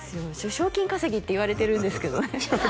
賞金稼ぎって言われてるんですけどね